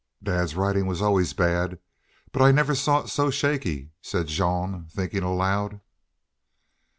"Dad's writin' was always bad, but I never saw it so shaky," said Jean, thinking aloud.